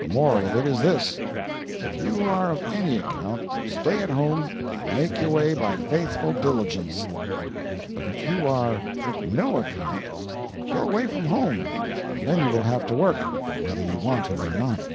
The moral of it is this: If you are of any account, stay at home and make your way by faithful diligence; but if you are "no account," go away from home, and then you will have to work, whether you want to or not.